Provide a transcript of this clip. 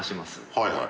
はいはい。